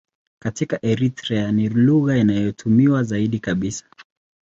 Katika Eritrea ni lugha inayotumiwa zaidi kabisa.